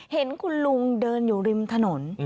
เห็นคุณลุงเดินอยู่ริมถนน